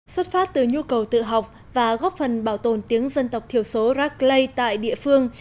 xuất phát từ nhu cầu tự học và góp phần bảo tồn tiếng dân tộc thiểu số racklay tại địa phương